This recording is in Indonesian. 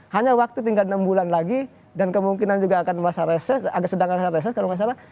hanya waktu tinggal enam bulan lagi dan kemungkinan juga akan sedangkan rasa reses kalau gak salah